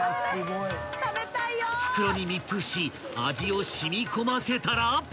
［袋に密封し味を染み込ませたら］